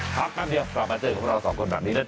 แป๊บเดียวกลับมาเจอกับเราสองคนแบบนี้นะครับ